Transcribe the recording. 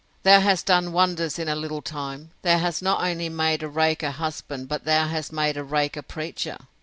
—Thou hast done wonders in a little time; thou hast not only made a rake a husband but thou hast made a rake a preacher!